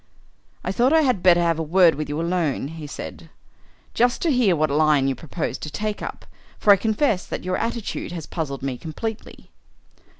"I thought I had better have a word with you alone," he said, "just to hear what line you propose to take up, for I confess that your attitude has puzzled me completely."